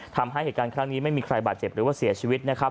ทำให้เหตุการณ์ครั้งนี้ไม่มีใครบาดเจ็บหรือว่าเสียชีวิตนะครับ